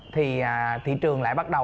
thì thị trường lại bắt đầu